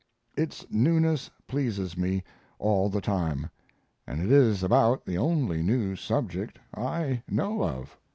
Its newness pleases me all the time, and it is about the only new subject I know of.